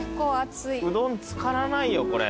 うどん漬からないよこれ。